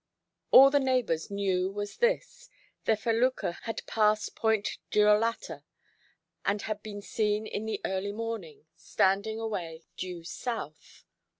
All the neighbours knew was this, the felucca had passed Point Girolata, and had been seen in the early morning, standing away due south.